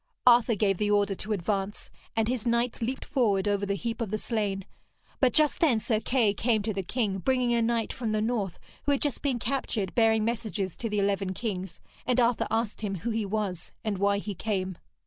Arthur gave the order to advance, and his knights leaped forward over the heap of the slain. But just then Sir Kay came to the king, bringing a knight from the north who had just been captured, bearing messages to the eleven kings, and Arthur asked him who he was and why he came.